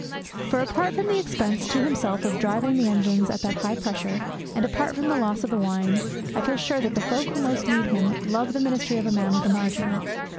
For, apart from the expense to himself of driving the engines at that high pressure, and apart from the loss of the wine, I feel sure that the folk who most need him love the ministry of a man with a margin.